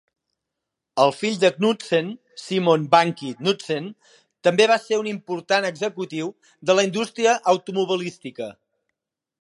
El fill de Knudsen, Semon "Bunkie" Knudsen, també va ser un important executiu de la indústria automobilística.